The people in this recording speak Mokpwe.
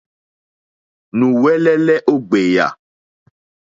Nù wɛ́lɛ́lɛ́ ó ɡbèyà.